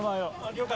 了解。